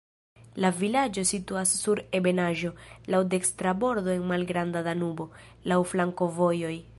La vilaĝo situas sur ebenaĵo, laŭ dekstra bordo de Malgranda Danubo, laŭ flankovojoj.